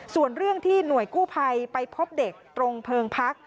ส่วนเรื่องที่หน่วยกู้ภัยไปพบเด็กตรงเพลิงพัก